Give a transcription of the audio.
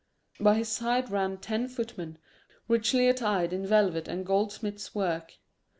By his side ran ten footmen, richly attired in velvet and goldsmith's work.